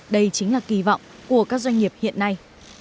đây chính là kỳ vọng của các doanh nghiệp hiện nay